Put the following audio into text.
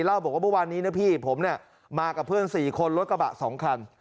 เล่าบอกว่าเมื่อวานนี้นะพี่ผมเนี่ยมากับเพื่อน๔คนรถกระบะ๒คัน